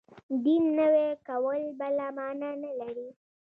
دین نوی کول بله معنا نه لري.